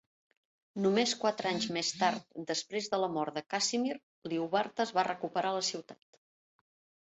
Només quatre anys més tard, després de la mort de Casimir, Liubartas va recuperar la ciutat.